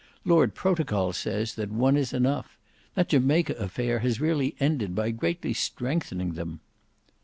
Lord Protocol says that 'one is enough.' That Jamaica affair has really ended by greatly strengthening them."